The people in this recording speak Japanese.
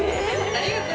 ありがとう！